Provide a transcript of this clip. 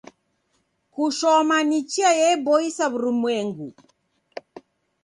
Kushoma ni chia yeboisa w'urumwengu.